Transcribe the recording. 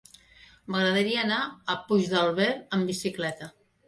M'agradaria anar a Puigdàlber amb bicicleta.